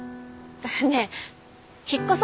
ねえ引っ越そう。